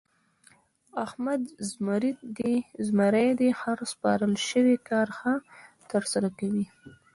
احمد زمری دی؛ هر سپارل شوی کار ښه ترسره کوي.